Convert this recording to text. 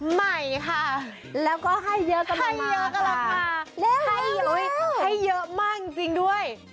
ใหม่ค่ะแล้วก็ให้เยอะกำลังมาค่ะให้เยอะมากจริงจริงด้วย